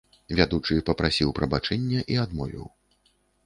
Вядучы папрасіў прабачэння і адмовіў.